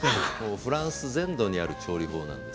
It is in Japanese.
フランス全土にある調理法なんです。